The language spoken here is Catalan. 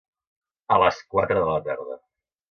A les quatre de la tarda.